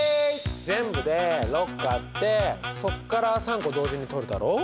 全部で６個あってそっから３個同時に取るだろう。